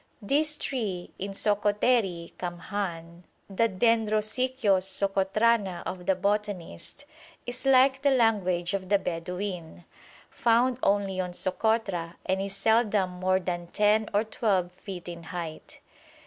This tree, in Sokoteri kamhàn, the Dendrosicyos Socotrana of the botanist, is like the language of the Bedouin, found only on Sokotra, and is seldom more than 10 or 12 feet in height.